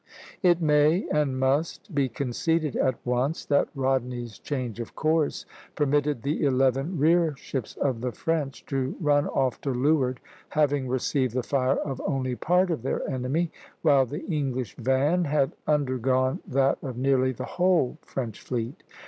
It may, and must, be conceded at once, that Rodney's change of course permitted the eleven rear ships of the French (D, r) to run off to leeward, having received the fire of only part of their enemy, while the English van had undergone that of nearly the whole French fleet.